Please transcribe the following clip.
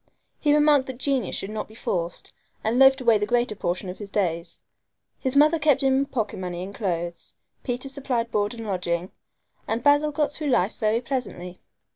He remarked that genius should not be forced, and loafed away the greater portion of his days. His mother kept him in pocket money and clothes, Peter supplied board and lodging, and Basil got through life very pleasantly.